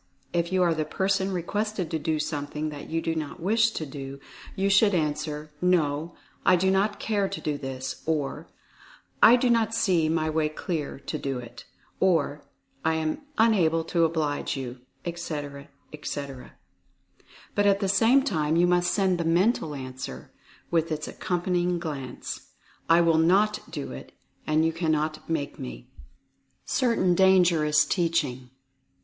If you are the person requested to do something that you do not wish to do, you should answer, "No, I do not care to do this," or "I do not see my way clear to Use of Mentative Instruments 233 do it," or "I am unable to oblige you," etc., etc., but at the same time you must send the mental answer, with its accompanying glance, "I WILL NOT do it, and you cannot make me." CERTAIN DANGEROUS TEACHING.